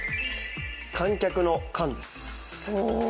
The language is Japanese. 「観客」の「観」です。